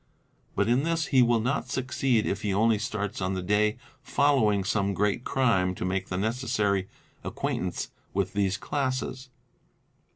But in this he will not suc ceed if he only starts on the day following some great crime to make _ the necessary acquaintance with these classes.